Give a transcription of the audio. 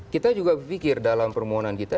kita juga berpikir dalam permohonan kita